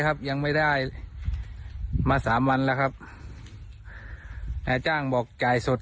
ครับยังไม่ได้มาสามวันแล้วครับนายจ้างบอกจ่ายสด